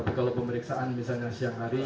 tapi kalau pemeriksaan misalnya siang hari